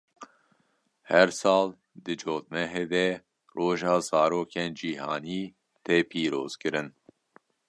Her sal di cotmehê de Roja Zarokên Cîhanî tê pîrozkirin.